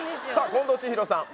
近藤千尋さん